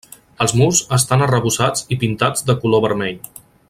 Els murs estant arrebossats i pintats de color vermell.